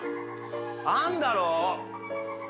あんだろ？